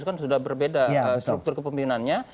kan sudah berbeda struktur kepemimpinannya